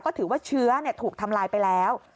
ก็ถือว่าเชื้อถูกทำลายไปแล้ว